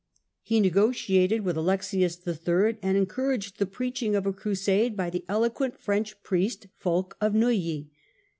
He negotiated with Alexius III., and encouraged the preaching of a Crusade by the eloquent Frencli priest Fulk of Neuilly.